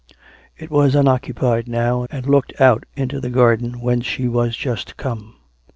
It was unoccupied now, and looked out into the garden whence she was just come.